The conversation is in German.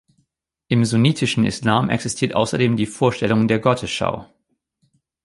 Im sunnitischen Islam existiert außerdem die Vorstellung der Gottesschau.